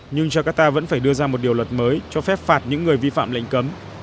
nhưng jakarta vẫn phải đưa ra một điều luật mới cho phép phạt những người vi phạm lệnh cấm